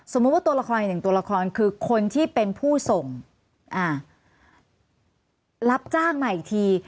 สมมุติว่าตัวละครหนึ่งตัวละครคือคนที่เป็นผู้ส่งอ่ารับจ้างมาอีกที